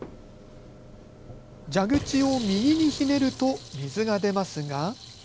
蛇口を右にひねると水が出ますが。